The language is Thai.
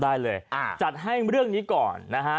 ได้เลยจัดให้เรื่องนี้ก่อนนะฮะ